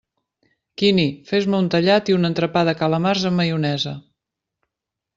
Quini, fes-me un tallat i un entrepà de calamars amb maionesa.